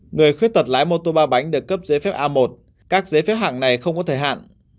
người khuyết tật lái mô tô ba bánh được cấp giấy phép a một các giấy phép hàng này không có thời hạn